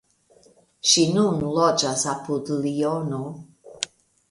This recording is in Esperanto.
Ŝi nun loĝas apud Liono.